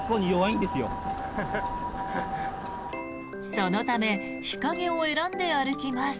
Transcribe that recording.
そのため日陰を選んで歩きます。